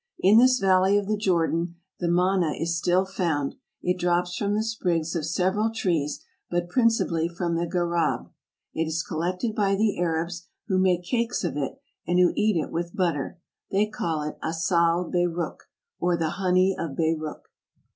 In this valley of the Jordan the manna is still found ; it drops from the sprigs of several trees, but principally from the Gharrab. It is collected by the Arabs, who make cakes of it and who eat it with butter; they call it Assal Beyrook, or the honey of Beyrook.